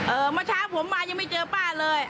เมื่อเช้าผมมายังไม่เจอป้าเลย